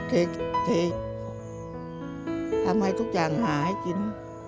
เฮยทำให้ทุกอย่างหายกิน